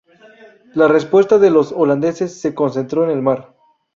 La respuesta de los holandeses se concentró en el mar.